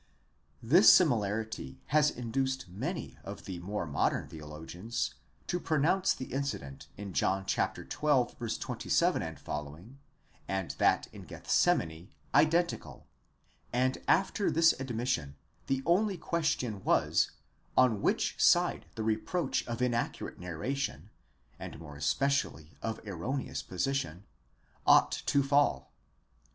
29). This similarity has induced many of the more modern theo logians to pronounce the incident in John xii. 27 ff., and that in Gethsemane identical ; and after this admission the only question was, on which side the reproach of inaccurate narration, and more especially of erroneous position, ought to fall.